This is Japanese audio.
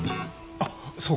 あっそうか。